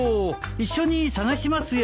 一緒に捜しますよ。